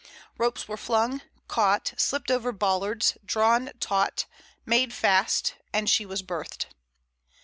Ropes were flung, caught, slipped over bollards, drawn taut, made fast—and she was berthed.